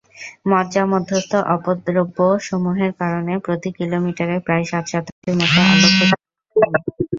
মজ্জা-মধ্যস্থ অপদ্রব্যসমূহের কারণে প্রতি কিলোমিটারে প্রায় সাত শতাংশের মতো আলো ক্ষতিগ্রস্ত হয়।